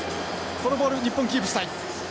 このボール日本キープしたい。